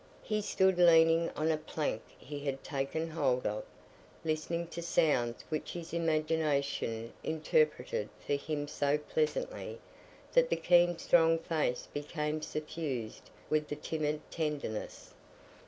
He stood leaning on a plank he had taken hold of, listening to sounds which his imagination interpreted for him so pleasantly that the keen strong face became suffused with a timid tenderness.